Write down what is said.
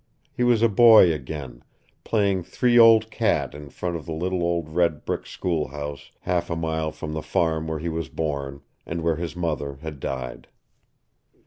He was a boy again, playing three old cat in front of the little old red brick schoolhouse half a mile from the farm where he was born, and where his mother had died.